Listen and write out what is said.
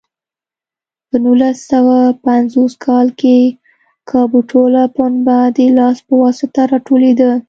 په نولس سوه پنځوس کال کې کابو ټوله پنبه د لاس په واسطه راټولېده.